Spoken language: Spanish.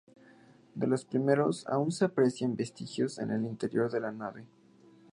De los primeros aún se aprecian vestigios en el interior de la nave.